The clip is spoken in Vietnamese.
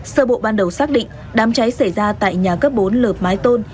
sơ bộ ban đầu xác định đám cháy xảy ra tại nhà cấp bốn lợp mái tôn